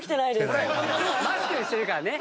マスクしてるからね。